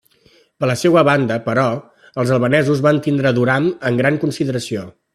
Per la seua banda, però, els albanesos van tindre Durham en gran consideració.